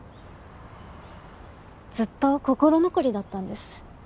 ずっと心残りだったんです。